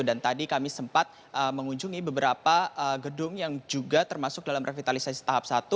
dan tadi kami sempat mengunjungi beberapa gedung yang juga termasuk dalam revitalisasi tahap satu